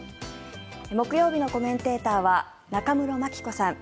木曜日のコメンテーターは中室牧子さん